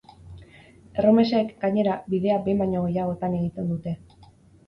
Erromesek, gainera, bidea behin baino gehiagotan egiten dute.